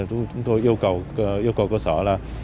chúng tôi yêu cầu cơ sở là